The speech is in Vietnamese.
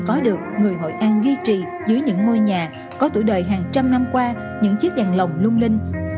có được người hội an duy trì dưới những ngôi nhà có tuổi đời hàng trăm năm qua những chiếc đèn lồng lung linh